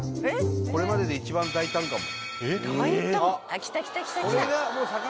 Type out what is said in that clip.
これまでで一番大胆かも。